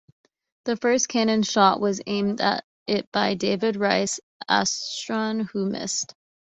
The first cannon shot was aimed at it by David Rice Atchison, who missed.